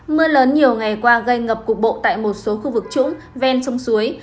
mưa lớn nhiều ngày qua gây ngập cục bộ tại một số khu vực trũng ven sông suối